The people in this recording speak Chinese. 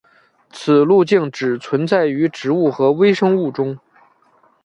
此路径只存在于植物和微生物中。